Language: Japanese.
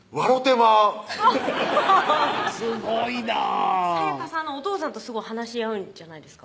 まうすごいなぁ彩香さんのお父さんとすごい話合うんじゃないですか？